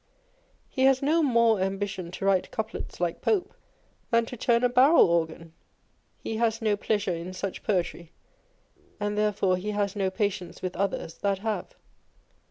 He has no more ambition to write couplets like Pope, than to turn a barrel organ. He has no pleasure in such poetry, and therefore he has no patience with others that have.